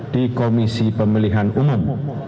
di komisi pemilihan umum